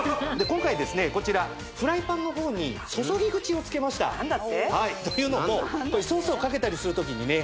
今回ですねこちらフライパンの方に注ぎ口をつけましたというのもソースをかけたりする時にね